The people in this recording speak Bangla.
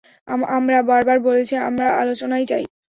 আমরা বারবার বলছি, আমরা আলোচনা চাই।